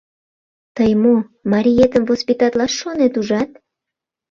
Тый мо, мариетым воспитатлаш шонет, ужат?